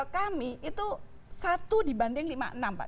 kami itu satu dibanding lima enam pak